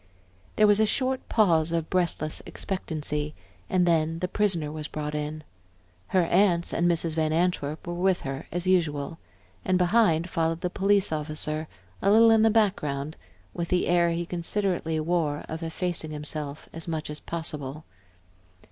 There was a short pause of breathless expectancy, and then the prisoner was brought in. Her aunts and Mrs. Van Antwerp were with her as usual, and behind followed the police officer a little in the background, and with the air he considerately wore of effacing himself as much as possible.